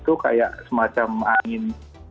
itu kayak semacam angin